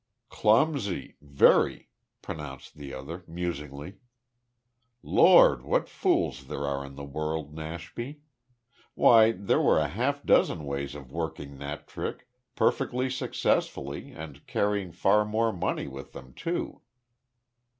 "Clumsy very," pronounced the other, musingly. "Lord, what fools there are in the world, Nashby. Why, there were half a dozen ways of working that trick, perfectly successfully and carrying far more money with them too."